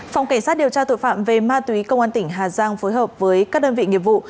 phòng cảnh sát điều tra tội phạm về ma túy công an tỉnh hà giang phối hợp với các đơn vị nghiệp vụ